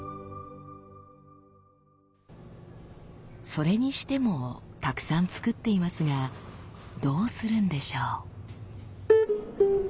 それにしてもたくさん作っていますがどうするんでしょう？